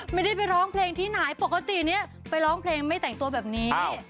ไม่ได้ไปร้องเพลงที่ไหนปกติเนี่ยไปร้องเพลงไม่แต่งตัวแบบนี้